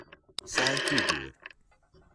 Sɛant ugur.